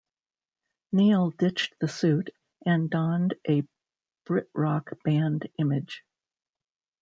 Neil ditched the suit and donned a Britrock band image.